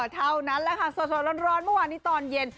เท่านั้นแล้วค่ะส่วนฉลอนเมื่อวานตอนเย็น